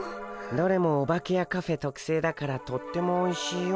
どれもオバケやカフェとくせいだからとってもおいしいよ。